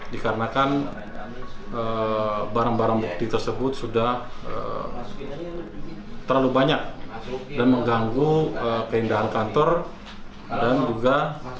dikarenakan barang barang bukti tersebut sudah terlalu banyak dan mengganggu keindahan kantor dan juga